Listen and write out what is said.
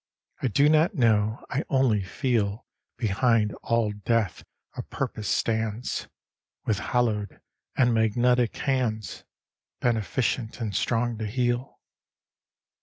I do not know, I only feel Behind all death a purpose stands, With hallowed and magnetic hands, Beneficent and strong to heal.